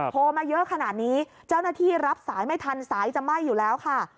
โทรมาเยอะขนาดนี้เจ้าหน้าที่รับสายไม่ทันสายจะไหม้อยู่แล้วค่ะ